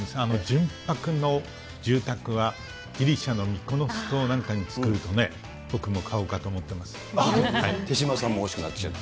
純白の住宅は、ギリシャのミコノス島なんかに造るとね、僕も買おうかと思ってま手嶋さんも欲しくなってきた。